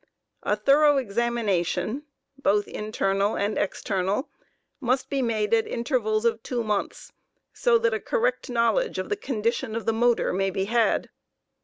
A thorough examination, both internal aud external, must be made at intervals of two months, so that a correct knowledge of the condition of the motor may be had.